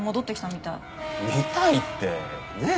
「みたい」ってねえ